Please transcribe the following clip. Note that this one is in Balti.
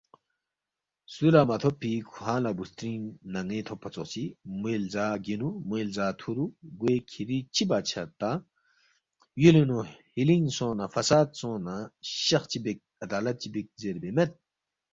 سُو لہ مہ تھوبفی کھوانگ لہ بُوسترِنگ نَن٘ے تھوبفا ژوخچی، موے لزا گینُو، موے لزا تُھورُو گوے کِھری چِہ بادشاہ تا، یُولِنگ نُو ہِلِنگ سونگس نہ، فساد سونگس نہ شخ چی بیک، عدالت چی بیک زیربے مید